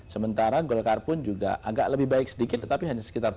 sementara golkar pun juga agak lebih baik sedikit tetapi hanya sekitar tiga